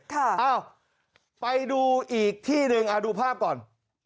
เอ้าไปดูอีกที่หนึ่งดูภาพก่อน